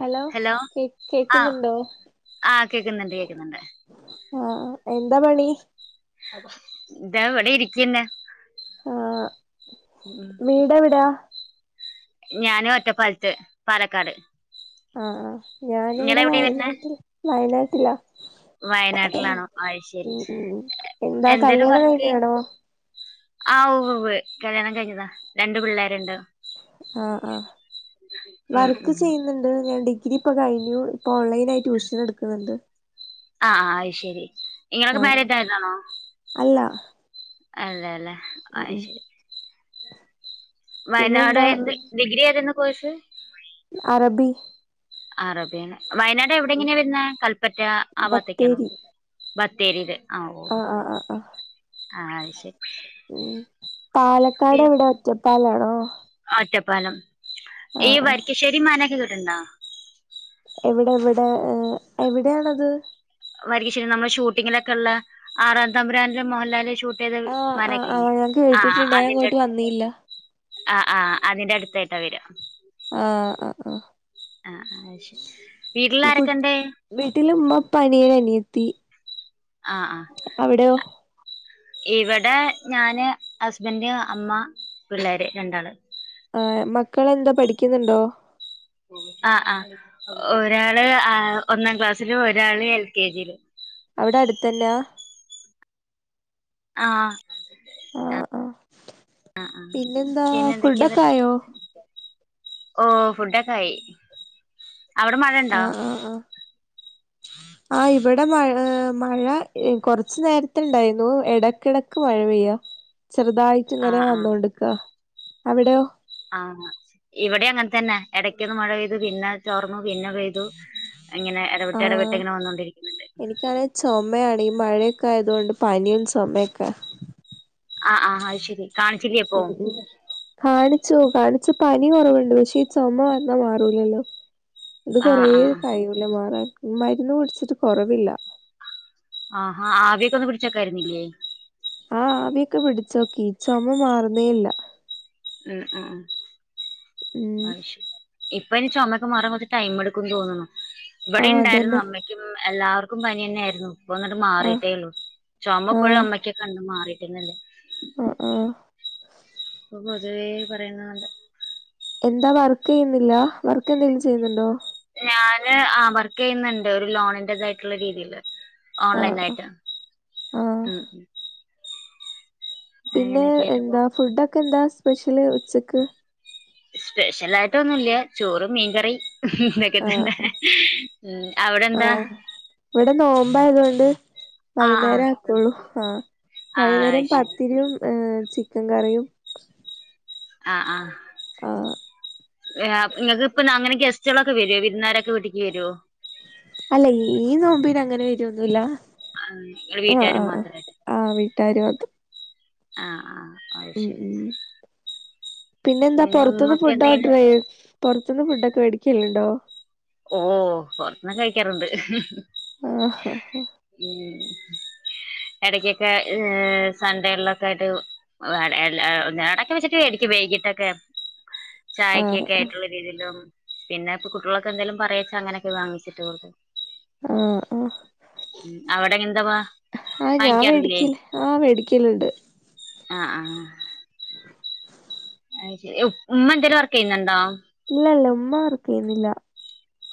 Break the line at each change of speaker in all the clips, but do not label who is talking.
Hello കേ
ആഹ്
കേക്കിന്നുണ്ടോ?
ആഹ് കേക്കുന്നുണ്ട് കേക്കുന്നുണ്ട്.
ആഹ് എന്താ പണി?
പിന്നെ
ആഹ്. വീടെവിടാ?
ഞാന് ഒറ്റപ്പാലത്ത് പാലക്കാട്.
ആഹ്
ഇങ്ങള്
ഞാനിവിടെ
എവിടെയാ വരുന്നെ
വയനാട്ടിൽ വയനാട്ടിലാ.
വയനാട്ടിലാണോ അത് ശരി
ഉം ഉം ഉം എന്താ
എന്തേലും
കല്യാണം
വർക്ക് ചെയ്യ
കഴിഞ്ഞതാണോ? [inaudible]
ആഹ് ഉവ്വ് ഉവ്വ് കല്യാണം കഴിഞ്ഞതാ രണ്ട് പിള്ളേരുണ്ട്.
ആഹ് ആഹ്
ഉം
വർക്ക്
ഉം
ചെയ്യുന്നുണ്ട് ഞാൻ ഡിഗ്രി ഇപ്പൊ കഴിഞ്ഞു. ഓൺലൈനായി ട്യൂഷൻ എടുക്കുന്നുണ്ട്.
ആ അയ്ശരി നിങ്ങൾക്ക്
ആഹ്
മാരീഡ് ആയതാണോ?
അല്ല
അല്ലല്ല
ഉം
ആയ്
ഉം
ശരി. വയനാട്
പിന്നെന്താ
എന്ത് ഡിഗ്രി ഏതെര്ന്ന് കോഴ്സ്?
അറബി.
അറബ്യാണ് വയനാട് എവിടെങ്ങനെയാ വര്ന്നേ കൽപ്പറ്റ ആ ഭാഗത്തേക്കാണോ?
ബത്തേരി
ബത് തേരൂര് ആഹ് ഓ
ആഹ് ആഹ് ആഹ്
ആഹ് അത് ശരി.
പാലക്കാടെവിടെ ഒറ്റപ്പാലാണോ?
പ്പാലം ഈ
ആഹ് ആഹ്
വരിക്കശ്ശേരി മനൊക്കെ കേട്ടിട്ട്ണ്ടാ?
എവിടെ എവിടെ ഏ എവിടെയാണത്?
വരിക്കശ്ശേരി നമ്മളെ ഷൂട്ടിങ്ങിനൊക്കെള്ള ആറാം തമ്പുരാൻലെ മോഹൻലാലെ ഷൂ ട്ടേത്
ആഹ് ആഹ് ആഹ്
മനക്കല്ലേ
ഞാൻ
ആ
കേട്ടിട്ടുണ്ട് ഞാൻ
അതിന്റെ
ഇങ്ങോട്ട് വന്നില്ല
ആ അതിന്റെ അടുത്തായിട്ടാ വരാ.
ആഹ് ആഹ് ആഹ്
ആഹ് ആഹ് അയ്ശരി. വീട്ടിലാരൊക്കെണ്ട്?
പ്പനിയനും അനിയത്തി.
ആഹ്
അവിടെയോ
ആഹ് ഇവിടെ ഞാന് ഹസ്ബൻഡ്, അമ്മ, പിള്ളേര് രണ്ടാള്.
ആഹ് മക്കളെന്തോ പഠിക്കുന്നുണ്ടോ?
ആ ആ ഒരാള് ആഹ് ഒന്നാം ക്ലാസ്സിലും ഒരാള് എൽ കെ ജിയിലും.
അവിടെ അടുത്തന്നാ?
ആഹ്.
ആഹ് ആഹ് പിന്നെന്താ
പിന്നെ എന്തൊക്കെയാ എന്നിട്ട്
ഫുഡൊക്കായോ?
ഓ ഫുഡൊക്കായി അവിടെ മഴിണ്ടാ?
[inaudible] ആ ഇവിടെ മഴ ഏ മഴ കൊറച്ചു നേരത്ത ഇണ്ടായിന്നു. ഇടക്കിടക്ക് മഴ പെയ്യാ. ചെറുതായിട്ട്
ആ
ഇങ്ങനെ
ആ
വന്നോണ്ട്ക്കാ അവിടെയോ?
ആഹ് ഇവിടേം അങ്ങനെ തന്നെ. ഇടയ്ക്കൊന്ന് മഴ പെയ്തു പിന്നെ ചോർന്നു. പിന്നെ പെയ്തു അങ്ങനെ എടവിട്ട്
ആഹ്
എടവിട്ടിങ്ങനെ വന്നോണ്ടിരിക്ക്‌ണ് ണ്ട്.
എനിക്കാണെ [unintelligible] ഈ മഴയൊക്കെ ആയത്കൊണ്ട് പനിയും ചൊമയൊക്കെ.
ആ ആ അഹ് ശരി കാണി
[unintelligible] [unintelligible] കാണിച്ചു പനി കുറവുണ്ട് പക്ഷേ ഈ ചുമ വന്നാ മാറൂലല്ലോ ഇത്
ആഹ്
കൊറെ
ആഹ്
കയിയൂലെ മറാൻ മരുന്ന് കുടിച്ചിട്ട് കൊറവില്ല
ആഹാ ആവിയോക്കെ പിടിച്ച്നോക്കായിരുന്നില്ലേ
ആ ആവിയൊക്കെ പിടിച്ചോക്കി ചുമ മാറുന്നേല്ല
ഉം അ
ഉം
ആയിശു ഇപ്പ അയ്‌ന് ചുമക്കെ മാറാൻ കോർച്ചെ ടൈം എടുക്കും. തോന്ന്ണ്
ആ
ഇവിടെ ഉണ്ടായിരുന്നു
അതന്നെ
അമ്മയ്ക്കും എല്ലാവർക്കും പനി തന്നെ ആയിരുന്നു ഒന്നിട്ട്
ആ
മാറിയിട്ടേള്ളു
ആ
ചുമപ്പോഴും അമ്മയ്ക്കൊക്ക ഇണ്ട് മാറിട്ടെന്നല്ല
ആ ആ
ഇപ്പൊ പൊതുവേ പറയുന്നത്ണ്ട്
എന്താ വർക്ക് ചെയ്യുന്നില്ല വർക്ക് എന്തെങ്കിലും ചെയ്യുന്നുണ്ടോ
ഞാന് ആ വർക്ക് യ്യുന്നുണ്ട് ഒരു ലോണിന്റെതായിട്ടുള്ള രീതില്
ആ
ഓൺലൈൻ ആയിട്ട്
ആ
ഉം
പിന്നെ
അങ്ങനെയൊക്കെ ആയിട്ട് പോ
എന്താ ഫുഡൊക്കെ എന്താ സ്പെഷ്യല് ഉച്ചക്ക്
സ്പെഷ്യൽ ആയിട്ടൊന്നുംല്ല ചോറും മീൻകറി [unintelligible] ഇതൊക്കെ
ആ
തന്നെ ഉം അവിടെ എന്താ
നോമ്പായതോണ്ട്
ആഹ്
വൈന്നേരം
ആഹ്
ആക്കുള്ളൂ ആ
ആഹ്
വൈന്നേരം
അത് ശരി
പത്തിരിയും ഏ ചിക്കങ്കറിയും
ആ ആ നിങ്ങക്ക് ഇപ്പൊ അങ്ങനെ ഗസ്റ്റുകളൊക്കെ വരോ വിരുന്നാർ ഒക്കെ വീട്ടിക്ക് വരോ
അല്ല ഈ നോമ്പീന് അങ്ങനെ വരോന്നുല്ല
ആ നിങ്ങൾ വീട്ടാര് മാത്ര
[unintelligible]
ആ ആ
ഉം ഉം പിന്നെ എന്താ പൊറത്തുന്ന്
ഉമ്മക്ക്
ഫുഡ്
എന്തേന്
ഓർഡർ ചെയ് [unintelligible] [unintelligible] ഫുഡ്ഒക്കെ വെടിക്കലുണ്ടോ
ഓ പുറത്ത്ന്നൊക്കെ കഴിക്കാറുണ്ട്
ആഹാ ഹാ
ഉം ഇടക്കൊക്കെ സൺഡേള്ളൊക്കെ ആയിട്ട് [unintelligible] വൈകിട്ടൊക്കെ
ആഹ്
ചായക്കൊക്കെ ആയിട്ടുള്ള രീതിലും പിന്നെ [unintelligible] എന്തെലും പറച്ചാ അങ്ങനൊക്കെ വാങ്ങിച്ചിട്ട് [unintelligible]
ആ ആ
ഉം അവിടെ എന്താ
ആ ഞാൻ
വാങ്ങിക്കാറില്ലേ
വേടിക്കല് ആ വേടിക്കലുണ്ട്
ആ ആ അഹ് ശരി ഉമ്മ ന്തേലും വർക്ക് ചെയ്യുന്നുണ്ടോ
ഇല്ല ഇല്ല ഉമ്മർക്കെയുന്നില്ല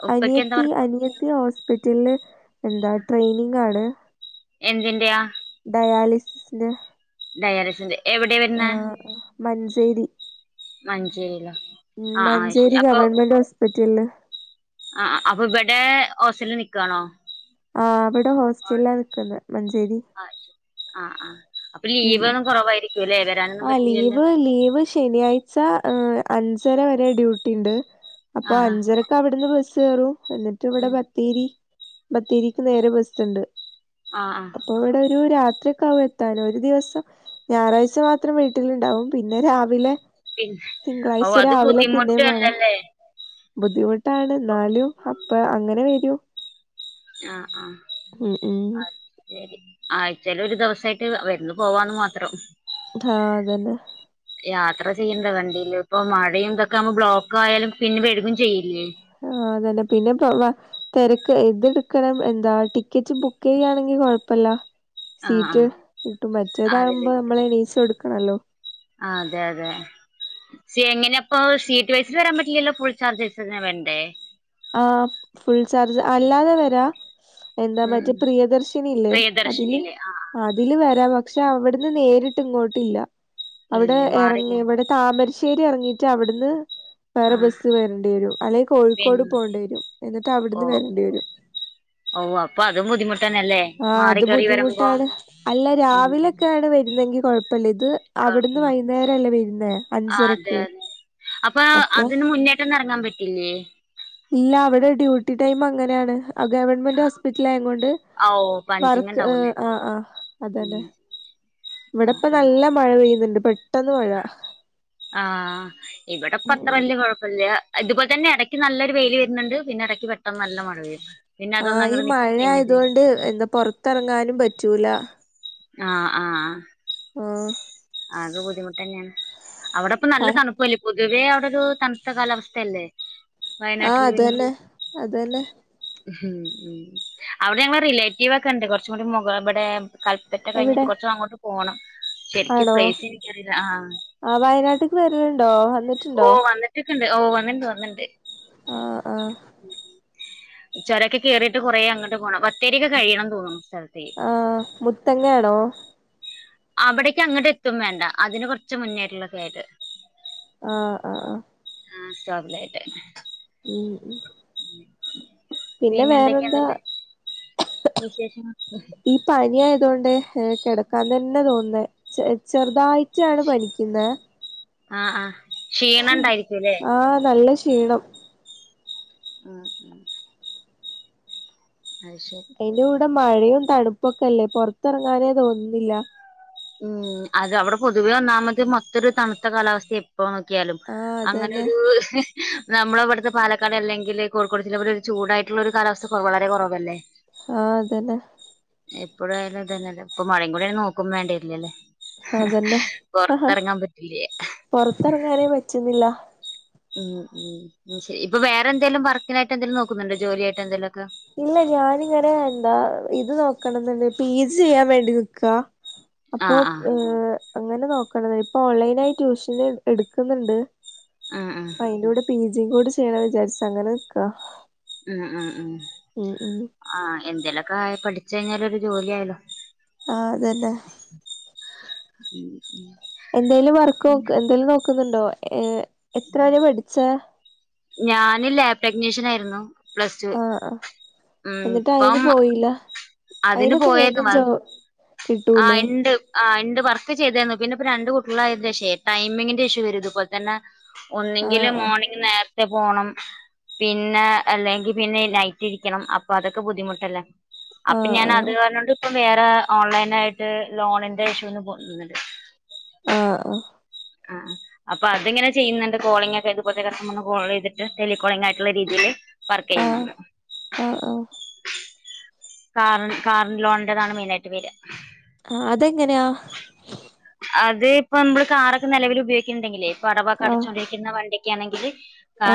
ഉപ്പയ്ക്ക് എന്താ
അനിയത്തി
വർക്ക്
അനിയത്തി ഹോസ്പിറ്റല് എന്താ ട്രെയിനിങ് ആണ്
എൻ
ഡയാലിസ്ന്റ
ഡയലിസിന്റെ എവിടെ വെര്ന്നെ
[unintelligible]
ആഹ് ആഹ്
മഞ്ചേരി ഗവൺമെന്റ് ഹോസ്പിറ്റല്
ആ അപ്പൊ ഇവിടെ ഹോസ്റ്റൽല് നിക്കാണോ
ആ അവിടെ
ആഹ്
ഹോസ്റ്റലാ നിക്കുന്നെ മഞ്ചേരി
ആ ആ
മ് ആ
പറ്റില്ലല്ലോ
ലീവ് ലീവ് ശനിയാഴ്ച ആ അഞ്ചര വരെ ഡ്യൂട്ടിണ്ട് അപ്പൊ
ആഹ് ആഹ്
അഞ്ചരക്ക് അവിടുന്ന് ബസ്സ് കേറും എന്നിട്ട് ഇവിടെ
ഉം
ബത്തേരി, ബത്തേരിക്ക് നേരെ ബസ്സുണ്ട്.
ആഹ് ആഹ്
അപ്പോ ഇവിടെ ഒരു രാത്രിയക്കെ ആാവ എത്താനോ. ഒരു ദിവസം ഞായറാഴ്ച മാത്രം വീട്ടിലുണ്ടാവും, പിന്നെ രാവിലെ-
പിന്നെ ഓ
തിങ്കളാഴ്ച
അത്
രാവിലെ
ബുദ്ധിമുട്ട്
പിന്നെയും പോണം.
അല്ലല്ലേ
ബുദ്ധിമുട്ടാണ് എന്നാലും അപ്പോ അങ്ങനെ വരും.
ആ.. ആഹ.. !
ഉം.. ഉം.. !
ആയച്ചല് ഒരു ദിവസായിട്ട് വന്ന് പോവാന്ന് മാത്രം.
ആഹ.. അതന്നെ.
യാത്ര ചെയ്യേണ്ട വണ്ടിൽ ഇപ്പൊ മഴയും ഇതൊക്കെ ആമ്പോ ബ്ലോക്ക് ആയാലും പിന്നെ വേഴുകും ചെയ്യില്ലേ.
ആഹ.. ! ആതന്നെ പിന്നെ തിരക്ക് എടുക്കണം എന്താ ടിക്കറ്റ് ബുക്ക്- ചെയ്യയാണെങ്കിൽ കൊഴപ്പില്ല.
ആഹ്
സീറ്റ്
ആഹ്
കിട്ടും
അതില്
മറ്റേതാകുമ്പോ നമ്മളെ എനീച്ച എടുക്കണല്ലോ.
സ എങ്ങനെയ അപ്പൊ സീറ്റ് വൈസിൽ വരാൻ പറ്റില്ലല്ലോ? ഫുൾ ചാർജസ്നെ വേണ്ടേ?
ആ.. ഫുൾ ചാർജ് അല്ലാതെ വരാ.. ! എന്താ..
ഉം
മറ്റേ
ഉം
പ്രിയദർശിനല്ലേ- അതില്
പ്രിയദർശിനില്ലേ ആഹ്
അതില് വരാ. പക്ഷെ അവിടുന്ന് നേരിട്ട്- ഇങ്ങോട്ടില്ല അവിടെ
ഇല്ല
ഇറങ്ങ,
മാറിക്ക
ഇവിടെ താമരശ്ശേരി- ഇറങ്ങിട്ട് അവിടുന്ന് വേറെ
ആഹ്
ബസ്സ് വരേണ്ടി വരും, അല്ലെങ്കിൽ
പിന്നെ
കോഴിക്കോട്- പോകേണ്ടി വരും എന്നിട്ട്
ഓ
അവിടുന്ന് വരേണ്ടി വരും.
ഓ അപ്പൊ അതും ബുദ്ധിമുട്ടന്നല്ലേ
ആ
മാറി
അത്
കേറി വരുമ്പോ
ബുദ്ധിമുട്ടാണ് അല്ല
ഉം
രാവിലൊക്കെയ ആണ് വരുന്നതെങ്കി കൊഴപ്പ- ഇപ്പല്ലേ ഇത് അവിടന്ന്
കൊഴപ്പല്ല
വൈകുന്നേര അല്ലേ വരുന്നേ അഞ്ചരക്ക്.
അപ്പോ
അപ്പൊ
അതിന് മുന്നേറ്റം ഇറങ്ങാൻ പറ്റില്ലേ?
ഇല്ല അവിടെ ഡ്യൂട്ടി ടൈം അങ്ങനെയാണ്, ഗവൺമെന്റ് ഹോസ്പിറ്റൽ ആയ കൊണ്ട്.
ആ ഓ പഞ്ചിങ്
വർക്ക്
ഉണ്ടാവൂലേ
ആ.. ആഹ്.. ആഹ.. അതന്നെ..
ഉം ! ആ
ഇവിടെ ഇപ്പ
ആ
നല്ല മഴ പെയ്യുന്നുണ്ട് പെ
ആ
ഉം.
ഇവടെപത്രല്ല കൊഴപ്പല്ല ഇതുപോലെ തന്നെ എടയ്ക്ക് നല്ലൊരു വൈൽ വരുന്നുണ്ട് പിന്നെ എ പെട്ടെന്ന് നല്ല മഴ പെയ്യും. പിന്നെ
ആ
അതൊന്ന്
ഈ
അങ്ങട്ട് നിക്കും
മഴ
പിന്നിം പെ
ആയതുകൊണ്ട് എന്താ പുറത്തിറങ്ങാനും പറ്റൂല
ആ ആ
ആ
അത് ബുദ്ധിമുട്ടന്നെയാണ്. അവിടപ്പ
പ
നല്ല തണുപ്പല്ലേ പൊതുവേ അവിടെ ഒരു തണുത്ത കാലാവസ്ഥയല്ലേ?
ആ
വയനാട്ടിൽ വരുന്നു
അതന്നെ അതന്നെ
ഉം ഉം അവിടെ ഞങ്ങളെ റിലേറ്റീവ് ഒക്കെണ്ട് കുറച്ചും കൂടി മു ഇവടെ ക പറ്റ കഴിഞ്ഞിട്ട്
എവിടെ
കുറച്ചങ്ങോട്ട് പോണം ശരിക്കും
ആണോ
പ്ലേസ് എനിക്കാറീല്ല ആ
ആ വയനാട്ടക്ക് വരലുണ്ടോ
ഓ
വന്നിട്ടുണ്ടോ
വന്നിട്ടൊക്കെണ്ട് ഓ വന്നിണ്ട് വന്നിണ്ട്
ആ ആ
മ് മ് ചുരൊക്കെ കേറീട്ട് കുറേ അങ്ങട്ട് പോണം ബത്തേരിയൊക്കെ കഴിയണം തോന്നുന്നു. സ്ഥലത്തേ
ആഹ് മുത്തങ്ങ ആണോ?
അവിടേക്ക് അങ്ങട്ട് എത്തും വേണ്ട അതിന് കുറച്ച് മുന്നേട്ടു [unintelligible]
ആ ആ ആ
ആ സ്വാബലായിട്ടന്നെ
ഉം ഉ പിന്നെ
എന്തൊക്കെയാ
വേറെന്താ
എന്നിട്ട് വിശേഷങ്ങൾ
ഈ പനിയായതോണ്ടേ ഏ കിടക്കാൻ തന്നെ തോന്നുന്നെ ചെർതായിട്ടാണ് പനിക്കുന്നെ
ആ ആ ക്ഷീണം ഉണ്ടായിരിക്കുംല്ലേ
ആ നല്ല ക്ഷീണം
ആ ആ
അതിന്റെ കൂടെ മഴയും തണുപ്പൊക്കെ അല്ലേ പൊർത്തറങ്ങാനേ തോന്നുന്നില്ല.
ഉം അത് അവിടെ പൊതുവെ ഒന്നാമത് മൊത്തൊരു തണുത്ത കാലാവസ്ഥയ പ്പോ നോക്കിയാലും
ആ അതന്നെ
അങ്ങനൊരു നമ്മളവിട്ത്തെ പാലക്കാട് അല്ലെങ്കില് കോഴിക്കോട് ജില്ല [unintelligible] ചൂടായിട്ടുള്ള ഒരു കാലാവസ്ഥ കൊ വളരെ കൊറവല്ലേ.
ആ അതന്നെ
എപ്പോഴായാലും ഇതന്നെല്ലേ ഇപ്പ മഴിം കൂടിയായാ നോക്കുവേണ്ടർലല്ലേ
അതന്നെ ആ
പറ്റില്ലേ
പൊർത്തർങ്ങാനേ പറ്റുന്നില്ല.
ഉം ഉം ശരി ഇപ്പൊ വേറെ എന്തേലും വർക്കിനായിട്ട് എന്തേലും നോക്കുന്നുണ്ടോ, ജോലിയായിട്ട് എന്തേലൊക്കെ?
ഇല്ല ഞാനിങ്ങനെ എന്താ ഇത് നോക്കണം എന്ന്ണ്ട്പി ജി ചെയ്യാൻ വേണ്ടി നിക്ക. അപ്പൊ
ആഹ് ആഹ്
ഏ അങ്ങനെ നോക്കണ് ഇപ്പൊഓൺലൈ നായി ട്യൂഷന് എട്ക്ക്ന്ന്ണ്ട്.
ഉം ഉം
അയ്ന്റെ കൂടെ പി ജി കൂടെ ചെയ്യണ വിചാരിച്ചങ്ങനെ നിക്ക
ഉം ഉം ഉം ആ എന്തേലൊക്കെ ആ പഠിച്ച ഴ്ഞ്ഞാലൊരു ജോലി ആയല്ലോ
ആ അതന്നെ
ഉം
എന്തേലും വർക്ക് നോ
ഉം
എന്തേലും നോക്കുന്നുണ്ടോ? ഏ എത്ര വരെ പഠിച്ചേ
ഞാനില്ലേ പ്രഗ്നീഷനായിരുന്നു. പ്ലസ് ടു
ആ ആ എന്നിട്ട്
ഇപ്പം
അയിന് പോയില്ല
അതിന്
അയിനൊക്കെ
പോയേർന്നു
വേഗം ജോ
[unintelligible] ആഹ്
കിട്ടൂലേ
ഇണ്ട് ആ ഇണ്ട് പർ ചെയ്തിരുന്നു. പിന്നെപ്പൊ രണ്ട് കുട്ടികളായതിന്റെ ശേഷേ ടൈമിങ്ങിന്റെ ഇഷ്യൂ ഇതു പോൽതന്നെ
ആ
ഒന്നെങ്കില് മോർണിംഗ് നേർ പോണം പിന്നെ അല്ലെങ്കി പിന്നെ നൈറ്റ് ഇരിക്കണം അപ്പൊ അതൊക്കെ ബുദ്ധിമുട്ടല്ലേ.
ആ ആ
അപ്പൊ ഞാൻ അത്
ആ
കാർഞ്ഞോണ്ട് ഇപ്പ വേറെ ഓൺലൈൻ നായിട്ട് ലോണിന്റെ [unintelligible] ണ്ട്
ആ ആ
ആ അപ്പൊ അത്ങ്ങനെ ചെയ്യുന്നുണ്ട് കോളിംഗക്കെ, ഇതുപോൽത്തെ [unintelligible] കോൾ ചെയ്തിട്ട് ടെലികോളിങ്ങായിട്ടുള്ള രീതിയിയില്
ആ അ അ
കാർ കാറിൻ ലോണിന്റെതാണ് മെയിനായിട്ട് വെര.
ആ അതെങ്ങനെയാ
അത് ഇപ്പൊ നമ്മള് കാറൊക്കെ നെലവിൽ ഉപയോഗിക്ക്ണ്ടെങ്കിലേ ഇപ്പടവൊക്കെ
ആ
അടച്ചോണ്ടിരിക്കുന്ന വണ്ടിക്കാണെങ്കിലെ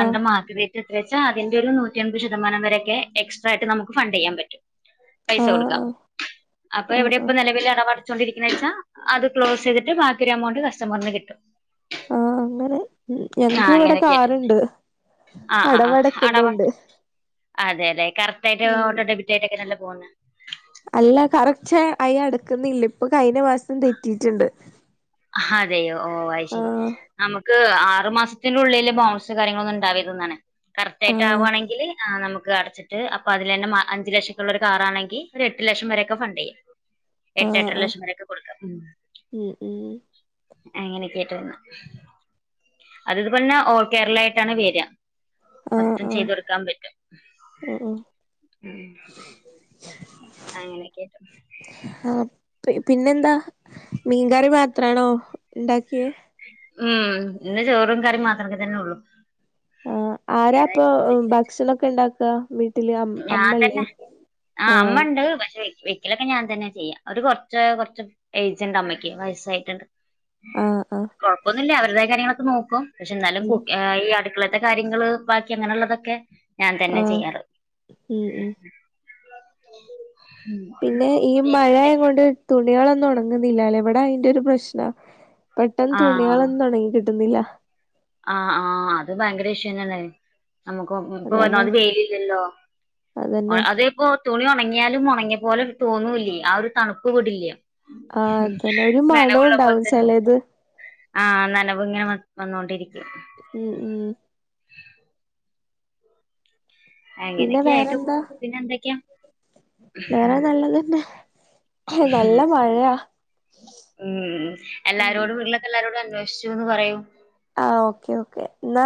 ആ ആ
മാത്രെ [unintelligible] വച്ചാ അതിന്റൊരു നൂറ്റിയൻപത് ശതമാനം വരെയെക്കെ എക്സ്ര ഇട്ട് നമുക്ക് ഫണ്ട് ചെയ്യാൻ പറ്റും പൈസ
ആ ആ
കൊടുക്കാം അപ്പൊ
ആ
എവിടെ ഇപ്പ നിലവൽ അടവടച്ചോണ്ടിരിക്കുന്നെച്ചാ അത് ക്ലോസ് ചെയ്തിട്ട് ബാക്കി ഒരു എമൗണ്ട് കസ്റ്റമറിന് കിട്ടും
ആ അങ്ങനെ
ആ
ഞങ്ങക്ക് ഇവിടെ
അങ്ങനെയൊക്കെയായിട്ട്
കാറ്ണ്ട് അടവടക്കുന്നുണ്ട്
അതെ അതെ കറക്റ്റ് ആയിട്ട്
ഉം
ഓട്ടോഡെബിറ്റായിട്ടൊക്കെ നല്ല പോന്ന്
അല്ല കറക്റ്റ് അയി അടക്കുന്നില്ല ഇപ്പൊ ക
അതെയോ ഓ അയ്
ആ
ശരി നമുക്ക് ആ ആറു മാസത്തിന്റെ ഉള്ളില് ബോൺസ് കാര്യങ്ങളൊന്നും ഉണ്ടാവെര്തന്നാണ്
ആ
കറക്റ്റായിട്ട ആവാണെങ്കിൽ [unintelligible] അടച്ചിട്ട് അപ്പൊ അതിലന്നെ മ അഞ്ച് ലക്ഷക്കുള്ള ഒരു കാറാണെങ്കി ഒരു എട്ട് ലക്ഷം വരൊക്കെ ഫണ്ട് ചെയ്യാം
ആ
എട്ട് എട്ടര
ആ
ലക്ഷം വരക്കെ
ഉം ഉം
[unintelligible] അതിതുപോലെന്നെ ഓൾ കേരളയായിട്ടാണ് വേര്ക
ആ
മൊത്തം
ആ
ചെയ്തെടുക്കാൻ പറ്റും
ആ
ഉ അങ്ങനെക്കെറ്റും
ആ പിന്നെന്താ മീൻകറി മാത്രാണോ ഉണ്ടാക്കിയെ
ഉം ഇന്ന് ചോറും കറിം മാത്രക്കെ തന്നെള്ളു
ആ ആരാപ്പൊ ഭക്ഷണൊക്കെ ഇണ്ടാക്ക
ഞാൻ തന്നെ ആ
ആഹ്
അമ്മണ്ട് പക്ഷെ എലൊക്കെ ഞാൻ തന്നെ ചെയ്യാം ഒരു കുറച്ച് കൊറച്ച് ഏജ് ഉണ്ട് അമ്മക്ക് വയസ്സായിട്ട്ണ്ട്
ആഹ് ആഹ്
കൊഴപ്പൊന്നുല്ല അവരതായ് കാര്യങ്ങളൊക്കെ നോക്കും പക്ഷെ ന്നാലും
ഉം
[unintelligible] ത്തെ കാര്യങ്ങള് ബാക്കി അങ്ങനെള്ളതൊക്കെ ഞാൻ തന്ന
ആഹ്
ചെയ്യാറ്
ഉം ഉ
ആ
പിന്നെ ഈ മഴയെയും കൊണ്ട് തുണികളൊന്നോണങ്ങൂല്ല. ഇങ്ങുന്നില്ലല്ല ഇവിടെ അതിന്റെ ഒരു പ്രശ്ന പെട്ടെന്ന്
ആഹ്
തുണിയളൊന്നും ഉണങ്ങി കിട്ടുന്നില്ല.
ആഹ് ആഹ അത് ഭയങ്കര വിഷയന്നല്ലേ നമുക്ക് ഇപ്പൊ
അതന്നെ
വല്ലാതെ വെയിലില്ലല്ലോ
അതന്നെ
അതുപ്പോ തുണി ഉണങ്ങിയാലും ഉണങ്ങിട്ട് അത്പോലെ തോന്നൂല്ലേ. ആ ഒരു തണുപ്പ് വിടില്ല.
ആഹ് അതന്നെ ഒരു മണോം
നനവുള്ള പോലെ
ഉണ്ടാവും
തന്നെ
ചെലത്
ആഹ നനവിങ്ങനെ വന്നുകൊണ്ടിരിക്കും.
ഉം ഉം പിന്നെ
അങ്ങനെയൊക്കെയ ആയിട്ട്
വേറെന്താ
പോന്നു പിന്നെ എന്തൊക്കെയാ
വേറെ നല്ലതന്നെ നല്ല മഴയാ
ഉം
ഉം
എല്ലാരോടും ഉരുളൊക്കെ എല്ലാരോടും [unintelligible] പറയും
ആ ഓക്കെ ഓക്കേ ന്നാ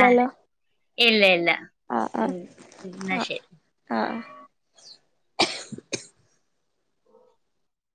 ആഹ് ഇല്ല ഇല്ല ഉം ഉം എന്ന
ആഹ്
ശെരി
ആഹ്